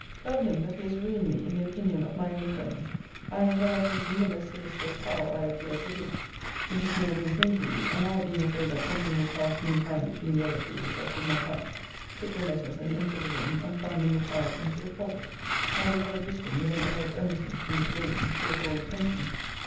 Tell him, that he has ruined me in the opinion of my own friends. I am for that reason the less solicitous how I appear to his. Mrs. Moore then came to me; and I, being afraid that something would pass mean time between the other two, which I should not like, took the letters, and entered the room, and found them retired into the closet; my beloved whispering with an air of earnestness to Miss Rawlins, who was all attention.